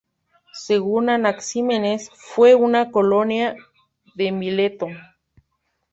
Según Anaxímenes, fue una colonia de Mileto.